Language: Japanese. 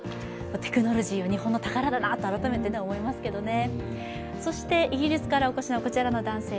テクノロジーは日本の宝だなと改めて思いますけどね。